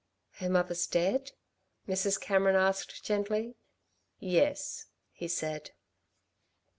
"Her mother's dead?" Mrs. Cameron asked gently. "Yes," he said.